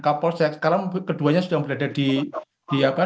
kapol sekarang keduanya sudah berada